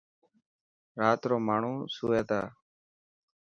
رات رو ماڻهوسوئي تا.